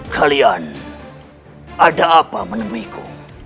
kalian ada apa menemiku